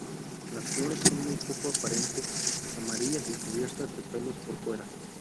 Las flores son muy poco aparentes, amarillas y cubiertas de pelos por fuera.